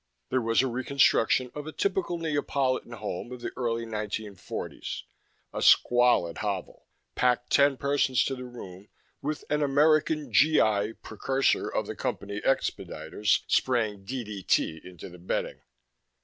There was a reconstruction of a typical Neapolitan home of the early Nineteen forties: a squalid hovel, packed ten persons to the room, with an American G.I., precursor of the Company expediters, spraying DDT into the bedding.